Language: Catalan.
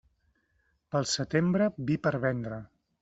Pel setembre, vi per vendre.